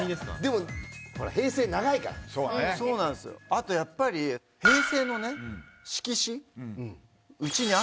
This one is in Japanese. あとやっぱり平成のね色紙。